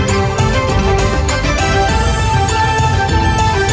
โชว์สี่ภาคจากอัลคาซ่าครับ